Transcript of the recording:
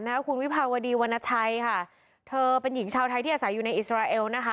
คุณวิภาวดีวรรณชัยค่ะเธอเป็นหญิงชาวไทยที่อาศัยอยู่ในอิสราเอลนะคะ